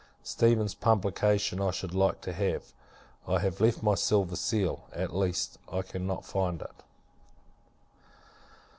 Stephens's publication I should like to have. I have left my silver seal; at least, I cannot find it.